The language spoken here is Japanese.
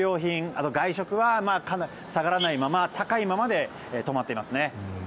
あと外食は下がらないまま高いままで止まっていますね。